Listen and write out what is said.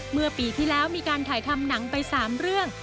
เมื่อปีที่แล้วมีการถ่ายทำหนังไป๓เรื่อง